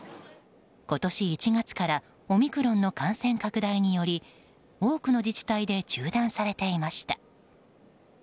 今年１月からオミクロンの感染拡大により多くの自治体で中断されていました。